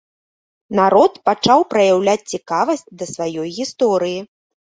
Народ пачаў праяўляць цікавасць да сваёй гісторыі.